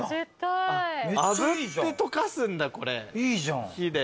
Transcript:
あぶって溶かすんだこれ火で。